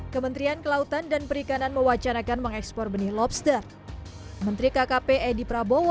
kementerian kelautan dan perikanan mewacanakan mengekspor benih lobster menteri kkp edi prabowo